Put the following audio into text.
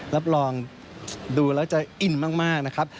รับรองดูแล้วจะอินมากนะครับ